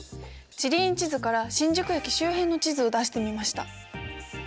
地理院地図から新宿駅周辺の地図を出してみました。